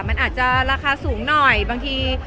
มันอาจจะราคาสูงหน่อยบางที